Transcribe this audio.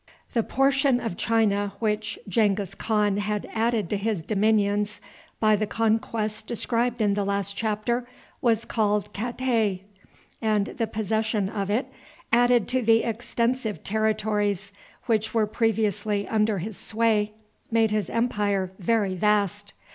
The portion of China which Genghis Khan had added to his dominions by the conquests described in the last chapter was called Katay, and the possession of it, added to the extensive territories which were previously under his sway, made his empire very vast.